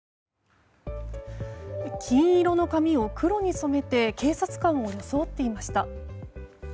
金色の髪を黒に染めて警察官を装っていました。